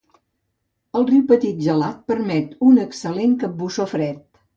El riu petit i gelat permet un excel·lent capbussó fred.